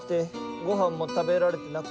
ごはんも食べられてなくて。